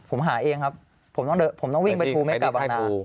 ผมหาเองครับผมต้องวิ่งไปทูเม็ดกลับมา